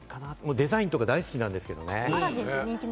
デザインとかは大好きなんですけどね。